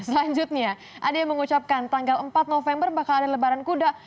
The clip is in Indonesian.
selanjutnya ada yang mengucapkan tanggal empat november bakal ada lebaran kuda